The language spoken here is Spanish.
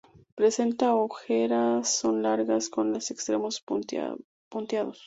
Presenta orejas son largas con los extremos punteados.